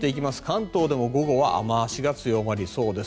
関東でも午後は雨脚が強まりそうです。